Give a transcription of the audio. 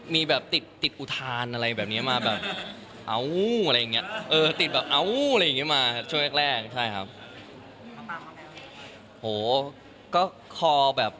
มีแบบติดอุทานอะไรแบบนี้มาแบบเอ้าอะไรอย่างนี้เออติดแบบเอ้าอะไรอย่างนี้มาช่วงแรกใช่ครับ